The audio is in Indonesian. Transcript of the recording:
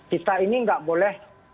kita ini tidak boleh